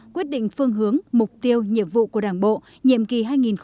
quyết định phương hướng mục tiêu nhiệm vụ của đảng bộ nhiệm kỳ hai nghìn hai mươi hai nghìn hai mươi năm